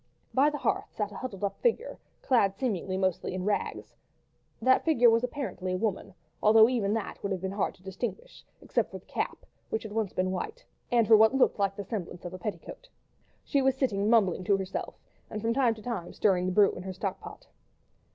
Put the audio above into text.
By the hearth sat a huddled up figure clad, seemingly, mostly in rags: that figure was apparently a woman, although even that would have been hard to distinguish, except for the cap, which had once been white, and for what looked like the semblance of a petticoat. She was sitting mumbling to herself, and from time to time stirring the brew in her stock pot.